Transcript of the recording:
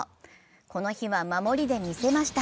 この日は守りで見せました。